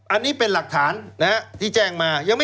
อันนี้เป็นหลักฐานที่แจ้งมา